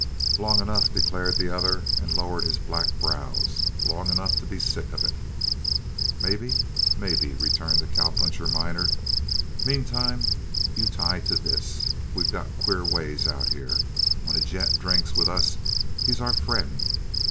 "Long enough," declared the other, and lowered his black brows. "Long enough to be sick of it." "Maybe, maybe," returned the cowpuncher miner, "meantime you tie to this. We got queer ways out here. When a gent drinks with us he's our friend.